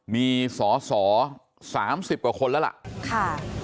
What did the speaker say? มีสอส่อสามสิบกว่าคนแล้วล่ะค่ะ